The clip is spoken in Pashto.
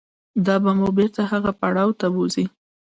دا به مو بېرته هغه پړاو ته بوځي.